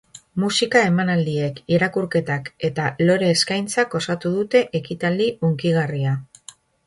Musika emanaldiek, irakurketak eta lore-eskaintzak osatu dute ekitaldi hunkigarria.